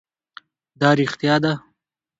دا رښتیا ده.